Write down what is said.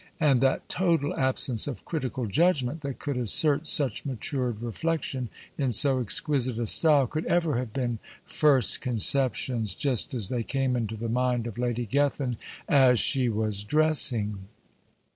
and that total absence of critical judgment that could assert such matured reflection, in so exquisite a style, could ever have been "first conceptions, just as they came into the mind of Lady Gethin, as she was dressing."